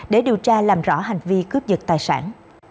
để điều tra làm rõ hành vi cướp giật tài sản